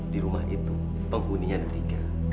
di rumah itu penghuninya ada tiga